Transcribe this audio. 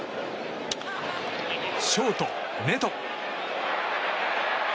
ショート、ネト。